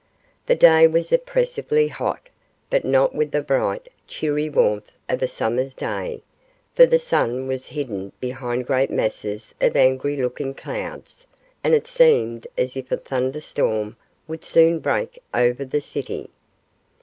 The day was oppressively hot, but not with the bright, cheery warmth of a summer's day, for the sun was hidden behind great masses of angry looking clouds, and it seemed as if a thunderstorm would soon break over the city.